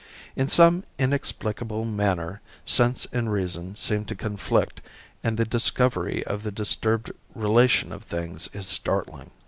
In some inexplicable manner sense and reason seem to conflict and the discovery of the disturbed relation of things is startling.